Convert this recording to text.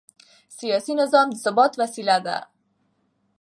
سیاسي نظام د ثبات وسیله ده